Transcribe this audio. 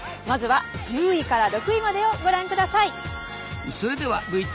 まずは１０位から６位までをご覧ください。